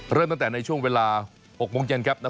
เริ่มตั้งแต่ในช่วงเวลา๖โมงเย็นครับ